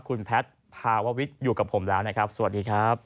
คุณแพทย์ภาววิทย์อยู่กับผมแล้วนะครับสวัสดีครับ